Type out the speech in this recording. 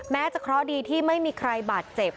จะเคราะห์ดีที่ไม่มีใครบาดเจ็บ